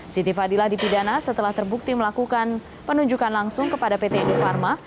siti fadila dipidana setelah terbukti melakukan penunjukan langsung kepada pt indofarma